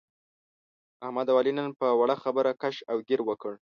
احمد او علي نن په وړه خبره کش او ګیر وکړ.